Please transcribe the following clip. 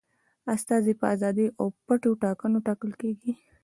استازي په آزادو او پټو ټاکنو ټاکل کیږي.